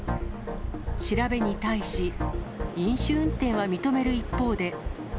調べに対し、飲酒運転は認める一方で。